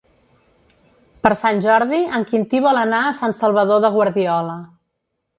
Per Sant Jordi en Quintí vol anar a Sant Salvador de Guardiola.